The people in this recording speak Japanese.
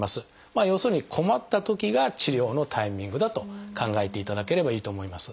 要するに困ったときが治療のタイミングだと考えていただければいいと思います。